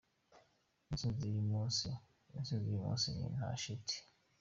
Intsinzi y'uyu munsi ni nta shiti.